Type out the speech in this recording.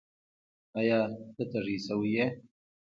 ایا؛ ته تږی شوی یې؟